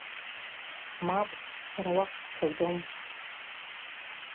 Мап, сара уахь сцаӡом!